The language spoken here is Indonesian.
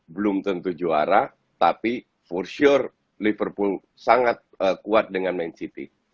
belum tentu juara tapi for sure liverpool sangat kuat dengan man city